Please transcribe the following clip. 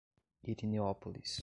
Irineópolis